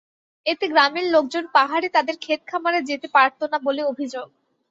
এতে গ্রামের লোকজন পাহাড়ে তাদের খেতখামারে যেতে পারত না বলে অভিযোগ।